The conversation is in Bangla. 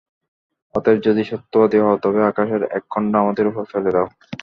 অতএব যদি সত্যবাদী হও, তবে আকাশের এক খণ্ড আমাদের উপর ফেলে দাও।